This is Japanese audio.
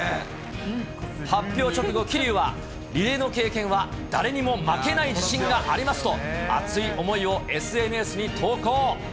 発表直後、桐生は、リレーの経験は誰にも負けない自信がありますと、熱い思いをＳＮＳに投稿。